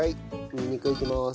にんにくいきます。